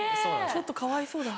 ・ちょっとかわいそうだ。